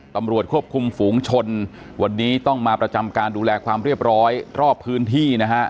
ตำรวจควบคุมฝูงชนวันนี้ต้องมาประจำการดูแลความเรียบร้อยรอบพื้นที่นะฮะ